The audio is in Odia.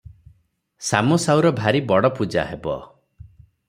ଶାମ ସାଉର ଭାରି ବଡ଼ ପୂଜା ହେବ ।